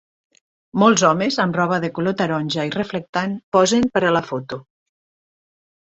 Molts homes amb roba de color taronja i reflectant posen per a la foto.